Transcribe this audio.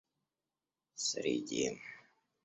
среди